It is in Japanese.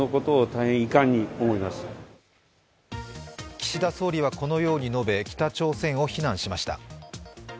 岸田総理はこのように述べ北朝鮮を非難しました。